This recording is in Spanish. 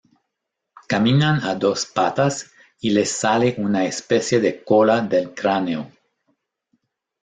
Caminan a dos patas y les sale una especie de cola del cráneo.